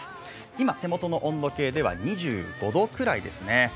今、手元の温度計では２５度くらいですね。